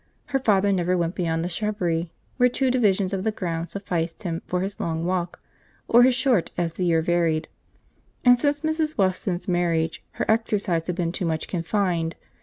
Her father never went beyond the shrubbery, where two divisions of the ground sufficed him for his long walk, or his short, as the year varied; and since Mrs. Weston's marriage her exercise had been too much confined.